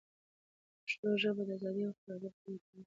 پښتو ژبه د ازادۍ او خپلواکۍ پیغام له تاریخه را وړي.